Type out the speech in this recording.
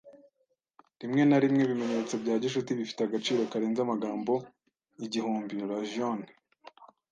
Rimwe na rimwe ibimenyetso bya gicuti bifite agaciro karenze amagambo igihumbi. (raggione)